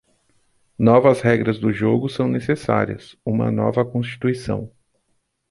Novas regras do jogo são necessárias, uma nova Constituição.